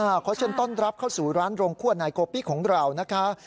เพราะฉะนั้นต้อนรับเข้าสู่ร้านโรงคั่วไนโกปี้ของเรานะคะ